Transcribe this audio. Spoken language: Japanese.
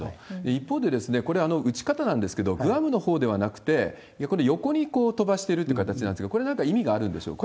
一方で、これ、打ち方なんですけど、グアムのほうではなくて、これ、横に飛ばしてるという形なんですが、これ、なんか意味があるんでしょうか？